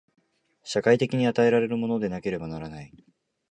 社会的に与えられるものでなければならない。